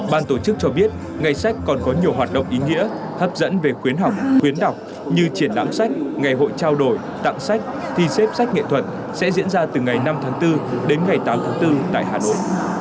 ban tổ chức cho biết ngày sách còn có nhiều hoạt động ý nghĩa hấp dẫn về khuyến học khuyến đọc như triển lãm sách ngày hội trao đổi tặng sách thi xếp sách nghệ thuật sẽ diễn ra từ ngày năm tháng bốn đến ngày tám tháng bốn tại hà nội